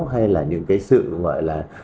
hay là những cái sự gọi là